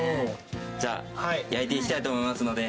じゃあ焼いていきたいと思いますので。